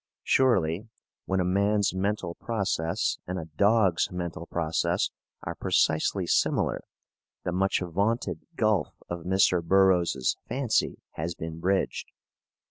Surely, when a man's mental process and a dog's mental process are precisely similar, the much vaunted gulf of Mr. Burroughs's fancy has been bridged.